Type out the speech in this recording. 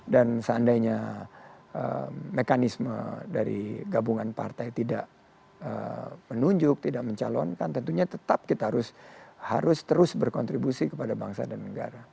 dan seandainya mekanisme dari gabungan partai tidak menunjuk tidak mencalonkan tentunya tetap kita harus terus berkontribusi kepada bangsa dan negara